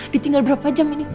ditinggal berapa jam ini